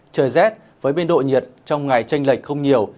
trời rét với biên độ nhiệt trong ngày tranh lệch không nhiều